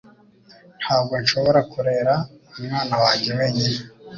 Ntabwo nshobora kurera umwana wanjye wenyine